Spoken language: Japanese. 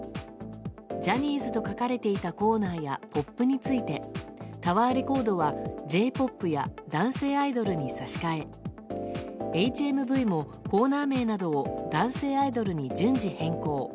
ジャニーズと書かれていたコーナーやポップについてタワーレコードはＪ‐ＰＯＰや男性アイドルに差し替えＨＭＶもコーナー名などを男性アイドルに順次変更。